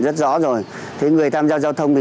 rất rõ rồi thế người tham gia giao thông thì